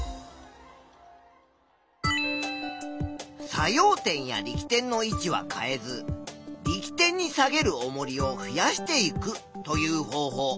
作用点や力点の位置は変えず「力点に下げるおもりを増やしていく」という方法。